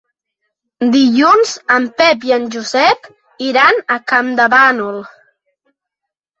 Dilluns en Pep i en Josep iran a Campdevànol.